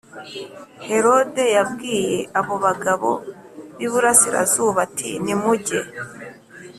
Herode yabwiye abo bagabo b i burasirazuba ati nimujye